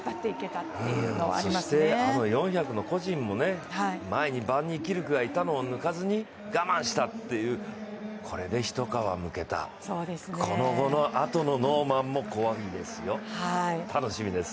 そして、あの４００の個人も前にバンニーキルクがいたのを抜かずに我慢したという、これで一皮むけたこの後のノーマンも怖いですよ、楽しみです。